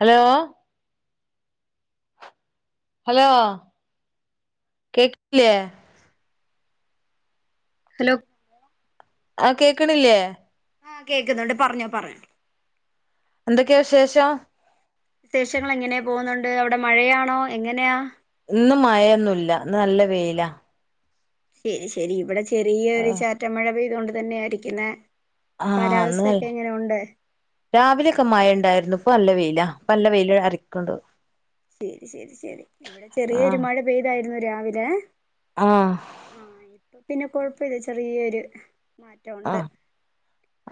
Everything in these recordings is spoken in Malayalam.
ഹലോ ഹലോ കേക്കില്ലേ ഹലോ ആഹ് കേക്കണില്ലേ ആഹ കേക്കുന്നുണ്ട് പറഞ്ഞോ പറഞ്ഞോ എന്തൊക്കെ വിശേഷം വിശേഷങ്ങൾ ഇങ്ങനെപോവുന്നുണ്ട് അവിടെ മഴയാണോ എങ്ങനെയാ? ഇന്ന് മഴയൊന്നുല്ല ഇന്ന് നല്ല വെയില. ശെരി ശെരി ഇവിടെ ചെറിയൊരു ചാറ്റ മഴ പെയ്ത് കൊണ്ട് തന്നെയ ഇരിക്കുന്നെ. ആ ഇന്ന് പാലാവസ്ഥൊക്കെ എങ്ങനെ ഉണ്ട്? രാവിലെയൊക്കെ മഴണ്ടായിരുന്നു ഇപ്പൊ നല്ല വെയിലാ പ്പ നല്ല വെയില് അറിക്ക്ണ്ട്. ശെരി ശെരി ശെരി ഇവിടെ ആ ചെറിയരു മഴ പെയ്തായിരുന്നു രാവിലെ. ആഹ പിന്നെ കൊഴപ്പല്ല ചെറിയൊര് അഹ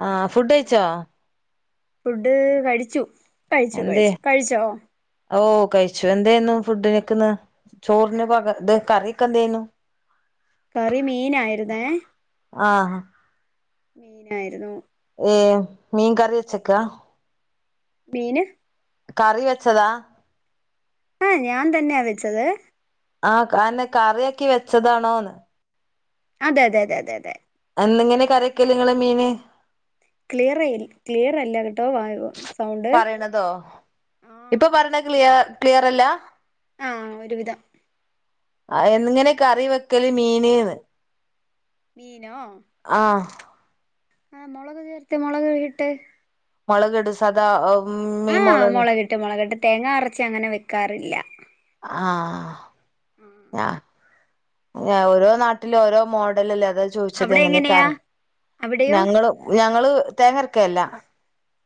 ആഹ ഫുഡ് പിന്നെ കഴിച്ചോ? ഫുഡ് കഴിച്ചു കഴിച്ചു കഴിച്ചു കഴിച്ചോ? ഓഹ കഴിച്ചു എന്തേന്നു ഫുഡിനൊക്കന്ന് ചോറിന് പക ഇത് കറിയൊക്കെ എന്തേന്നു ആ [inaudible] കറി മീനായിരുന്നേ. ആഹ മീനായിരുന്നു ഏഹ മീൻ കറി വെച്ചക്ക മീന് കറി വെച്ചതാ ആഹ ഞാൻ തന്നെയാ വെച്ചത് ആഹ അഎന്നെ കറിയാക്കി വെച്ചതാണോന്ന്? അതെ അതെ തെ തെ തെ അന്നങ്ങനെ കറിക്കല് ഇങ്ങള് മീന്? ക്ലിയറയ്യ് ക്ലിയറല്ല കേട്ടോ വ പറയണതോ ഇപ്പൊ പറയണ ക്ലിയ ക്ലിയറല്ല. ആഹ ഒരു വിധം ആ എങ്ങനെ കറി വെക്കല് മീന് ന്ന് മീനോ ആഹ ആഹ മൊളക് ചേർത്ത് മൊളക് ഇട്ട് മൊളകിട് സധാ മീം മൊള ട്ട് മൊളകിട്ട് തേങ്ങാ അറച്ച് അങ്ങനെ വെക്കാറില്ല. ആഹ ഉം ങേ ഓരോ നാട്ടിലും ഓരോ മോഡലല്ലേ അതാ ചോയ്ച്ചതെ അവിടെ എങ്ങനെയാ എങ്ങനെകാരം അവിടെയോ ഞങ്ങളും ഞങ്ങള് തേങ്ങ അരക്കെല്ല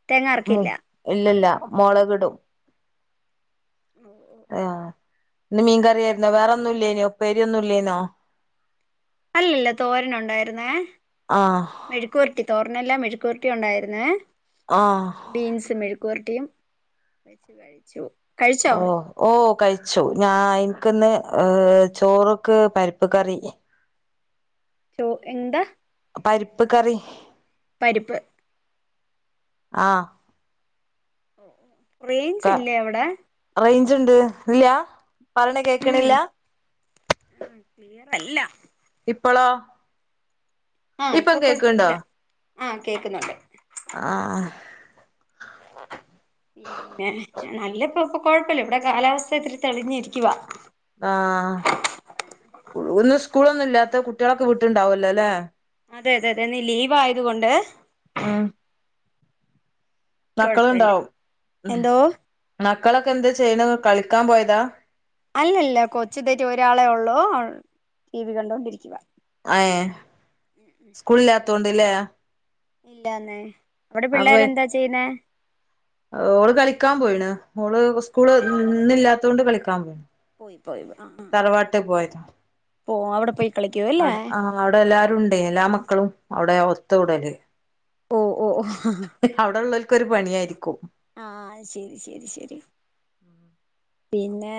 തേങ്ങ മു അരക്കില്ല ഉം ഇല്ലല്ല ഉം മൊളകിടും ഉം ഓ ഓ ഓ ആഹ ഇന്ന് മീൻകറിയായിരുന്നോ വേറെ ഒന്നുല്ലേനൊ ഉപ്പേരിയൊന്നും ല്ലേന്നോ അല്ലല്ല തോരനുണ്ടായിരുന്നേ ആഹ് മെഴുക്ക്‌വരറ്റി തോരനല്ല മെഴുക്ക്‌വരറ്റി ഉണ്ടായിര്ന്നേ ആഹ ബീൻസ് മെഴുക്ക്‌വരറ്റിയും വെച്ച് കഴിച്ചു കഴിച്ചോ ഓ ഓഹ കഴിച്ചു ഞാൻ ഇൻക്ന്ന് ഏഹ ചോറ്ക്ക് പരിപ്പ് കറി ചോ എന്താ പരിപ്പ് കറി പരിപ്പ് ആഹ് റേഞ്ച് ഇല്ലേ അവിടെ റേഞ്ച്ണ്ട് ഇല്ല പറയണ ഉം കേക്കണില്ല ഉം ക്ലിയറ് അല്ല ഇപ്പളോ ആഹ് ഇപ്പം ഇപ്പൊ കേക്ക്ണ്ടോ കൊഴപ്പില്ല ആഹ് കേക്കുന്നുണ്ട് ആഹ് പിന്നെ ഞാൻ നല്ലപ്പോ ഇപ്പൊ കൊഴപ്പല്ല ഇവിടെ കാലാവസ്ഥ ഇത്തിരി തെളിഞ്ഞിരിക്കുവാ ആഹ് സ്കുൾ ഇന്ന് സ്കൂളൊന്നും ഇല്ലാത്ത കുട്ടികളൊക്കെ വിട്ടില് ഉണ്ടാവല്ലോ ലേ അതെ അതെ അതെ ഇന്ന് ലീവായത് കൊണ്ട് ആഹ് മക്കള് കൊഴപ്പല്ല ഉണ്ടാവും എന്തോ മക്കളൊക്കെ എന്താ ചെയ്യണെ കളിക്കാൻ പോയതാ അല്ല അല്ല കൊച്ച് ദേ ആയിറ്റ് ഒരാളെ ഉള്ളൂ ടിവി കണ്ടോണ്ടിരിക്കുവാ ഏഹ് സ്കൂള് ഇല്ലാത്തൊണ്ട് ല്ലേ ഇല്ലന്നേ അവിടെ അപ്പൊ പിള്ളേർ എന്താ ചെയ്യ്ണെ ഓള് കളിക്കാൻ പോയിണ് ഓള് സ്കൂള് ഇന്ന് ഇല്ലാത്തോണ്ട് കളിക്കാൻ പോയിണ് പോയി പോയി അഹ് ആഹ് പോ അവിടെ പോയി കളിക്കൂ അല്ലേ അവിടെ ആഹ് അവിടെ എല്ലാരും ഉണ്ടെ എല്ലാ മക്കളും അവിടെ ഒത്തു കൂടല് ഓഹ് ഓഹ് അവിടെ ഉള്ളവർക്കൊരു പണി ആയിരിക്കും ആഹ് ശരി ശരി ശരി പിന്നെ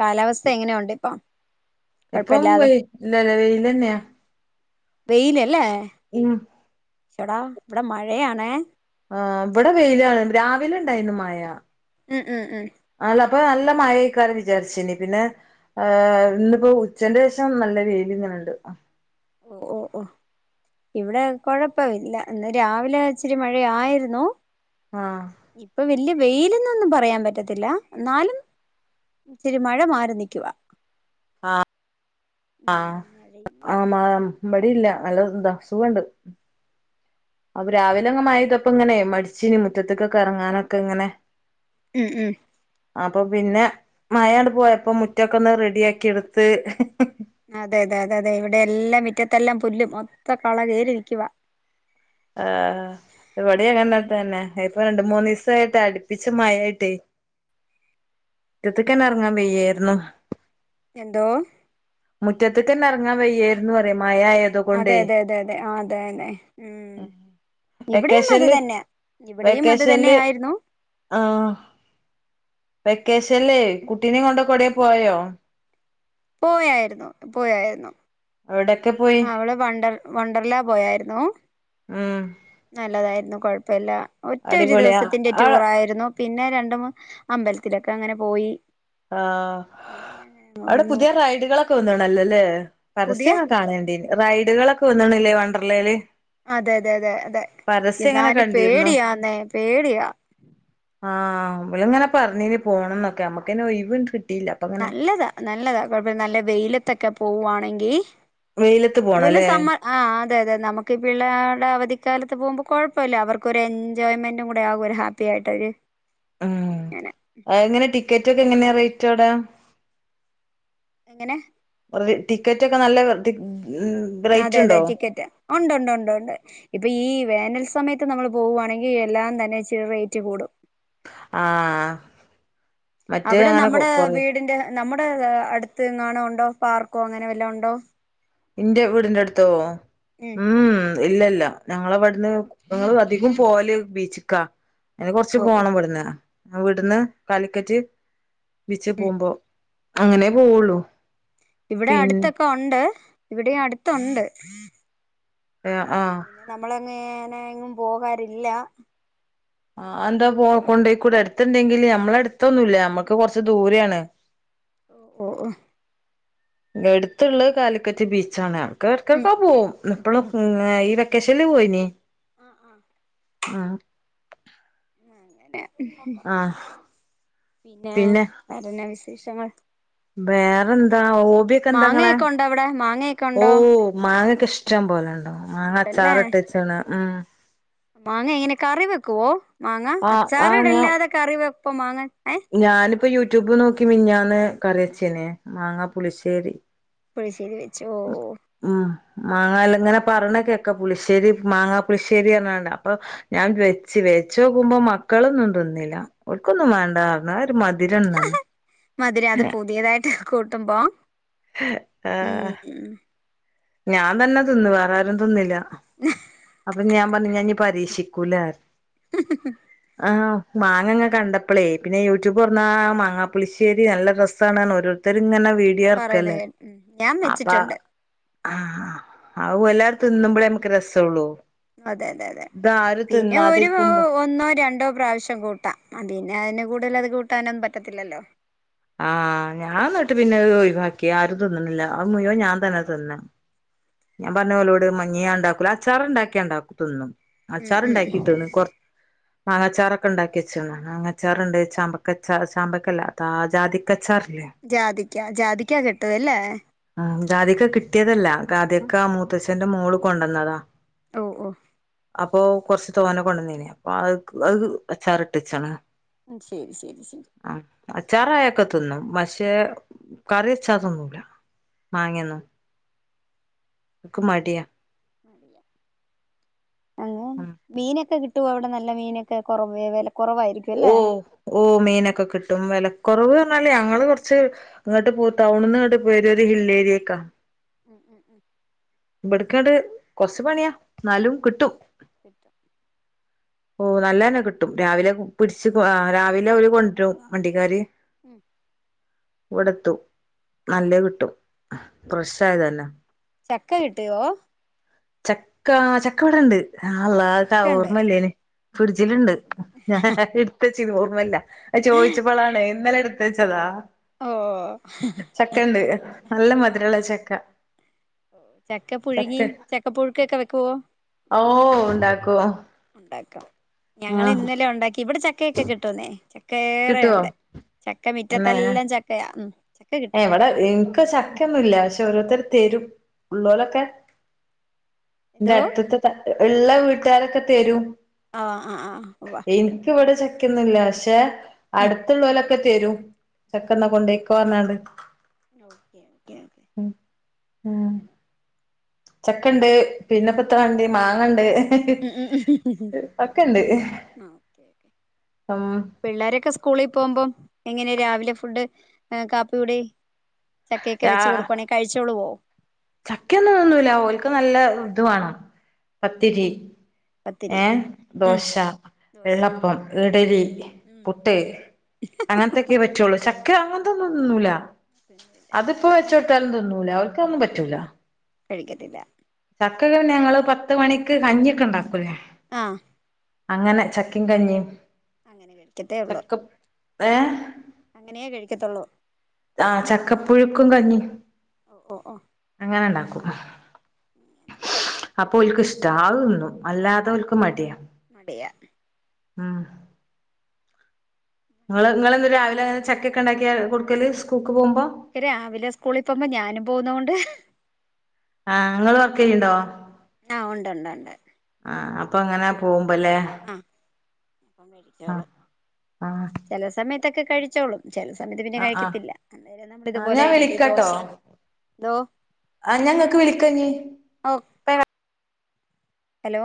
കാലാവസ്ഥ എങ്ങനെ ഉണ്ട് ഇപ്പൊ ഇപ്പോ വെയി ല ലെ വെയില് തന്നെയാ വെയില് അല്ലേ ഉം എടാ ഇവിടെ മഴയാണേ ആഹ് ഇവിടെ വെയിലാണ് രാവിലെ ഉണ്ടായിരുന്നു മഴ ഉം ഉം ഉം ആല്ല അപ്പൊ നല്ല മഴ ആയിക്കാരം വിചാരിച്ചീനി പിന്നെ ഏഹ് ഇന്നിപ്പോ ഉച്ചന്റെ ശേഷം നല്ല വെയില് ഇങ്ങനെണ്ട് ഓഹ് ഓഹ് ഓഹ് ഇവിടെ കൊഴപ്പം ഇല്ല ഇന്ന് രാവിലെ ഇച്ചിരി മഴ ആയിരുന്നു ആഹ് ഇപ്പം വല്ല്യ വെയില് എന്നൊന്നും പറയാൻ പറ്റത്തില്ല എന്നാലും ഇത്തിരി മഴ മാറി നിക്കുവാ ആഹ് ആഹ് മഴയില്ല ആഹ് മഴ ഇവടീം ഇല്ല നല്ല ഇതാ സുഖണ്ട് അപ്പൊ രാവിലെ ഇങ്ങനെ മഴ പെയ്തപ്പ ഇങ്ങനെ മടിച്ചീനി മുറ്റത്തേക്കൊക്കെ ഇറങ്ങാനൊക്കെ ഇങ്ങനെ ഉം ഉം അപ്പൊ പിന്നെ മഴ ണ്ട് പോയപ്പോ മുറ്റം ഒക്കെ ഒന്ന് റെഡിയാക്കി എടുത്ത് അതെ അതെ അതെ അതെ ഇവിടെ എല്ലാം മിറ്റത്തെല്ലാം പുല്ലും മൊത്തം കള കയറി നിൽക്കുവ ആഹ് ഇവിടെ അങ്ങനെ തന്നെ ഇപ്പൊ രണ്ടു മൂന്ന് ദിവസായിട്ട് അടുപ്പിച്ച് മഴ ആയിട്ടേ മുറ്റത്ത്ക്കന്നെ ഇറങ്ങാൻ വയ്യായിരുന്നു എന്തോ മുറ്റത്തക്കന്നെ ഇറങ്ങാൻ വയ്യായിരുന്നു പറയ് മഴായ അതെ അതെ അതെ അതെ ആ അതന്നെ ഉം ഇവിടെയും അത് വെക്കേഷൻല് തന്നെ ഇവിടെയും അത് തന്നെ വെക്കേഷൻല് ആയിരുന്നു ആഹ് വെക്കേഷൻല്ലേ കുട്ടിനേം കൊണ്ടൊക്കെ എവിടേം പോയോ പോയാരുന്നു പോയാരുന്നു എവിടെക്കെ പോയി അവള് വണ്ടർ വണ്ടർലാ പോയാരുന്നു ആഹ് നല്ലതായിരുന്നു കൊഴപ്പല്ല ഒറ്റ ഒരു അടിപൊളിയാ ദിവസത്തിന്റെ ആഹ് ടൂറായിരുന്നു പിന്നെ രണ്ട് മൂന്ന് അമ്പലത്തിലൊക്കെ അങ്ങനെ പോയി ആഹ് അവിടെ വന്നു പുതിയ റൈഡുകളൊക്കെ വന്നണല്ലോല്ലേ പുതിയ പരസ്യം ഒക്കെ കാണലിണ്ടയ്നിം റൈഡുകളൊക്കെ വന്നണ്ല്ലേ വണ്ടർലയില് അതെ അതെ അതെ അതെ എന്നാലും കണ്ടിരുന്നു പേടിയാന്നെ പേടിയാ ആഹ് ഇബലിങ്ങനെ പറഞീനിം പോണംന്നൊക്കെ നമ്മക്ക് അയ്ന് ഒഴിവ് അണ് കിട്ട് നല്ലതാ നല്ലതാ കൊഴപ്പല്ല നല്ല വെയിലത്തൊക്കെ പോവാണെങ്കി വെയിലത്ത് ഇതു വല്യ പോണല്ലേ സമ്മർ ആഹ് അതെ അതെ നമുക്കി പിള്ളേരുടെ അവധിക്കാലത്ത് പോകുമ്പം കൊഴപ്പല്ല അവർക്ക്‌ ഒരു എൻജോയ്മെന്റും കൂടെ ആകും ഓര് ഹാ പ്പിയായിട്ടൊക്കെ [inaudible] അങ്ങനെ എങ്ങനെ ടിക്കറ്റ് ഒക്കെ എങ്ങനെയാ റേറ്റ് അവിടെ എങ്ങനെ [unintelligible] ടിക്കറ്റൊക്കെ നല്ല ഉം അതെ അതെ ടിക്കറ്റ ഉണ്ട്ണ്ട് ഉണ്ട് ഇപ്പൊ ഈ വേനൽ സമയത്ത് നമ്മൾ പോവുവാണെങ്കി എല്ലാം തന്നെ ഇച്ചിരി റേറ്റ് കൂടും ആഹ് മറ്റേ അവിടെ അങ്ങനെ നമ്മുടെ കൊറ വീടിന്റെ നമ്മുടെ അടുത്ത് എങ്ങാണോ ഉണ്ടോ പാർക്കോ അങ്ങനെ വല്ല ഉണ്ടോ ഇന്റെ വീടിന്റെ അടുത്തോ ഉം ഊം ഊം ഇല്ലല്ല ഞങ്ങളവിടുന്ന് ഞങ്ങള് അധികം പോകല് ബീച്ച്ക്കാ അയ്ന് കൊറച്ച് ഓ പോണം ഇവിടുന്ന് അവിട്ന്ന് ഓ കാലിക്കറ്റ് ബീച്ചിൽ ഉം പോവുമ്പോ അങ്ങനെ പോവുള്ളു ഇവിടെ അടുത്തൊക്കെ ഒണ്ട് ഇവിടെയും അടുത്തുണ്ട് ഏഹ് ആഹ് പിന്നെ നമ്മള് മെയിൻ എങ്ങും പോകാറില്ല ആഹ് എന്താ പോ കൊണ്ടയിക്കൂടെ അടുത്തുണ്ടെങ്കില് നമ്മളെ അടുത്തൊന്നുല്ല നമ്മക്ക് കൊറച്ച് ദൂരെയാണ് ഓഹ് ഓഹ് എടുത്തുള്ളത് കാലിക്കറ്റ് ബീച്ചാണ് അവ്ട്ക്ക്‌ ഉം എടക്കടക്കൊക്കെ പോവും എപ്പളും ഒക്കെ ഇങ്ങനെ ഈ വെക്കേഷൻല് പോയിനീം ആഹ് അങ്ങനെ ആഹ് പിന്നെ വേറെന്നാ വിശേഷങ്ങൾ വേറെന്താ ഹോബിയൊക്കെ എന്താങ്ങളെ മാങ്ങയൊക്കെ ഉണ്ടോ അവിടെ മാങ്ങയൊക്കെ ഉണ്ടോ ഓഹ് മാങ്ങൊക്കെ ഇഷ് ഇഷ്ടം പോലെണ്ടാവും മാങ്ങ ഉണ്ടല്ലേ അച്ചാറിട്ടച്ച്ണ് ഉം മാങ്ങ എങ്ങനെ കറി വെക്കുവോ മാങ്ങ ആഹ് അച്ചാറ് ആഹ് ഞാ ഇടലില്ലാതെ കറി വെപ്പ് മാങ്ങ ഏഹ് ഞാനിപ്പോ യൂട്യൂബ് നോക്കി മിനിഞ്ഞാന്ന് കറി വെച്ചീനിം മാങ്ങാ പുളിശേരി പുളിശ്ശേരി വെച്ച് ഓ ഉം മാങ്ങല്ല ഇങ്ങനെ പറയണ കേക്ക പുളിശ്ശേരി മാങ്ങാ പുളിശ്ശേരിന്ന് പറഞ്ഞിക്കാണ്ട് അപ്പൊ ഞാൻ വെച്ച് വെച്ചോക്കുമ്പോ മക്കളൊന്നും തിന്നില്ല ഓൽക്കൊന്നും വേണ്ടാന്ന് പറഞ്ഞ് ഒന്നാമത് ഒരു മധുരള്ളതാണ് മധുരം അത് പുതിയതായിട്ട് കൂട്ടുമ്പോ ആഹ് ഉം ഞാൻ തന്നെ തിന്ന് വേറാരും തിന്നില്ല അപ്പൊ ഞാൻ പറഞ്ഞു ഞാൻ ഇഞ്ഞി പരീക്ഷിക്കൂല ഹിഹി ആഹ് മാങ്ങ ഇങ്ങനെ കണ്ടപ്പളേ പിന്നെ യൂട്യൂബ് തുറന്നാ മാങ്ങാപ്പുളിശ്ശേരി നല്ല രസാണ് പറഞ്ഞ് ഓരോ ഓരോരുത്തരിങ്ങനെ വീഡിയോ ഇറക്ക് പറയുന്ന അല്ലേ കേ ഉം ഞാൻ അപ്പ വെച്ചിട്ടുണ്ട് ആഹ് അതും എല്ലാരും തിന്നുമ്പളേ നമുക്ക് രസ ഉള്ളൂ അതെ അതെ അതെ പിന്നെ ഒരു തിന്നാതിരിക്കുമ്പോ ഒന്നോ രണ്ടോ പ്രാവശ്യം കൂട്ടാം അത് കഴിഞ്ഞാ പിന്നെ അയിന് കൂടുതലത് കൂട്ടാനൊന്നും പറ്റത്തില്ലല്ലോ ആഹ് ഞാൻ എന്നിട്ട് പിന്നെ ഒയിവാക്കി ആരും തിന്ന്ണില്ല അത് മുഴുവൻ ഞാൻ തന്നെ തിന്നത് ഞാൻ പറഞ്ഞോലോട് മ ഇഞ്ഞി ഞാൻ ഇണ്ടാക്കൂല അച്ചാറ് ഉണ്ടാക്കിയാ തിന്നും ഉം അച്ചാറ് ഉം ഇണ്ടാക്കിട്ട്ണ് കൊറ മാങ്ങച്ചാറൊക്കെ ഇണ്ടാക്കി വെച്ചിണ് മാങ്ങച്ചാറുണ്ട്, ചാമ്പക്കച്ച ചാമ്പക്കല്ല അ താ ജാതിക്കച്ചാറില്ലേ ജാതിക്ക ജാതിക്ക കിട്ടുവല്ലേ ആഹ് ജാതിക്ക കിട്ടിയതല്ല ജാതിക്ക മൂത്തച്ഛന്റെ മോള് കൊണ്ട് വന്നതാ ഓ ഓ അപ്പൊ കൊറച്ച് തോനെ കൊണ്ട് വന്നീനി അപ്പൊ അഹ് അത് അച്ചാറിട്ട് വച്ചതാണ് ശരി ശരി ശരി ആ അച്ചാറായൊക്കെ തിന്നും പക്ഷെ കറി വെച്ചാതിന്നൂല മാങ്ങയൊന്നും ഓക്ക് മടിയാ ഏ ഉം മീനൊക്കെ കിട്ടുവോ അവിടെ നല്ല മീനൊക്കെ കുറ വില കുറവായിരിക്കു ഓ ഓ മീനൊക്കെ കിട്ടും വിലക്കൊറവ് പറഞ്ഞാല് ഞങ്ങള് കൊറച്ച് ഇങ്ങോട്ട് പോ ടൗണിന്ന് ഇങ്ങട്ട് പോര ഒരു ഹില്ലേരിയേക്കാ ഉംഹ് ഉംഹ് ഉംഹ് ഇവട്ക്കട് കൊറച്ചു പണിയാ എന്നാലും കിട്ടും കിട്ടും ഓ നല്ലന്നെ കിട്ടും രാവിലെ പിടിച്ച് രാവിലെ അവര് കൊണ്ട് വരും വണ്ടിക്കാര് ഉം ഇവിടെ എത്തും നല്ലത് കിട്ടും ഫ്രഷ് ആയതല്ലെ ചക്ക കിട്ടിയോ ചക്കാ ചക്ക ഇവിടെ ഇണ്ട് യാഅള്ളാ ചക്ക ഉണ്ട് ഓർമല്ലേനി ഫ്രിഡ്ജിലിണ്ട് ഞാൻ എടുത്തച്ചിന് ഓർമ്മല്ല അത് ചോയിച്ചപ്പോളാണ് ഇന്നലെ എടുത്ത് വെച്ചതാ ഓഹ് ചക്ക ഉണ്ട് നല്ല മധുരമുള്ള ചക്ക ചക്ക പുഴുങ്ങി ചക്ക പുഴുക്കൊക്കെ വെക്കുവോ ഓഹ് ഉണ്ടാക്കും ഉണ്ടാക്കും ഞങ്ങള് ഇന്നലെ ഒണ്ടാക്കി ഇവിടെ ചക്കയൊക്കെ കിട്ടുന്നേ ചക്ക കിട്ടുവോ ഏറെയുണ്ട് ചക്ക മിറ്റത്തെല്ലാ ചക്കയാ ഉം ചക്ക കിട്ടും ഏയ് ഇവിടെ ഇൻക്ക് ചക്കയൊന്നുല്ല പക്ഷെ ഓരോരുത്തര് തരും ഉള്ളോലൊക്കെ എൻ്റെ എന്തോ അടുത്ത്ത്തെ ഇള്ള വീട്ടുകാരൊക്കെ തരും ആഹ് ആഹ് വ ഇൻക്ക് ഇവടെ ചക്കെന്നുല്ല പക്ഷെ ഉം അടുത്തുള്ളോലൊക്കെ തെരും ചക്ക ന്നാ കൊണ്ടോയിക്കോ ക്കോർഞ്ഞാണ്ട് ഉം [inaudible] ചക്കണ്ട് പിന്നെപ്പത്ത മാണ്ടിയെ മാങ്ങണ്ട് ഉം ഉം ഒക്കെണ്ട് ആഹ് ഓക്കെ ഓക്കെ ഉം പിള്ളേരൊക്കെ സ്കൂളി പോമ്പം എങ്ങനെ രാവിലെ ഫുഡ് കാപ്പികുടി ചക്കൊക്കെ വെച്ച് കൊടുക്കുവാണെ കഴിച്ചോളോ ചക്കയൊന്നും തിന്നൂല്ല ഓൽക്ക് നല്ല ഇത് വാണം പത്തിരി പത്തിരി ഏഹ് ഉം ദോശ, ദോശ വെള്ളപ്പം, ഇഡ്ലി, ഉം പുട്ട് അങ്ങൻത്തെ ക്കെ പറ്റുള്ളൂ ചക്ക അങ്ങൻത്തൊന്നും തിന്നൂല. ന്നുല്ല അത്പ്പോ വെച്ചൊട്ത്താലും തിന്നൂല. ഓൽക്കതൊന്നും പ റ്റൂല കഴിക്കത്തില്ല ചക്കക്കെ പിന്നെ ഞങ്ങള് പത്ത് മണിക്ക് കഞ്ഞിക്കെണ്ടാക്കൂ ആഹ് അങ്ങനെ ചക്കിം കഞ്ഞിം അങ്ങനെ കഴിക്കത്തേ ഒള്ളോ ഏഹ് അങ്ങനെയേ കഴിക്കത്തുള്ളൂ ആഹ് ചക്കപ്പുഴുക്കും കഞ്ഞിം ഓഹ് ഓഹ് അങ്ങനെണ്ടാക്കും [inaudible] അപ്പൊ ഓൽക്ക് ഇഷ്ട അത്ന്നും അല്ലാതെ ഓൽക്ക് മടിയാ മടിയാ ആഹ് ഇങ്ങള് ഇങ്ങള് ന്ന് രാവിലെ ചക്കക്കെ ഇണ്ടാക്കിയ കൊട്ക്കല് സ്കൂക്ക് പോമ്പം രാവിലെ സ്കൂളി പോമ്പം ഞാനും പോവുന്നോണ്ട് ആഹ് ഇങ്ങള് വർക്കെയ്യ്ണ്ടോ ആഹ് ഉണ്ട്ണ്ട്ണ്ട് ആഹ് അപ്പൊ അങ്ങനെ പോമ്പല്ലേ ആഹ് ആ ചെല സമയത്തൊക്കെ കഴിച്ചോളും ചെല സമയത്ത് പിന്നെ ആ ആ കഴിക്കത്തില്ല ആ ഇതുപോലെ ഞാൻ ഇഡലി, ദോശ ദോ ആഹ് ഞാ ങ്ങക്ക് വിളിക്കാഞ്ഞ്‌ ഓഹ് ഹലോ